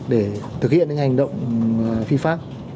để thực hiện những hành động phi pháp